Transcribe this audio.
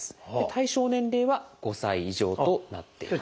対象年齢は５歳以上となっています。